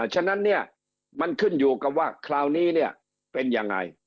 ฉะนั้นเนี่ยมันขึ้นอยู่กับว่าคราวนี้เนี่ยเป็นยังไง